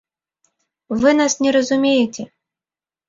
Вы нас не разумееце.